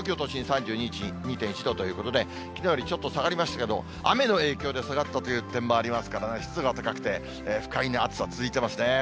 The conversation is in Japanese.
３２．１度ということで、きのうよりちょっと下がりましたけど、雨の影響で下がったという点もありますからね、湿度が高くて、不快な暑さ、続いてますね。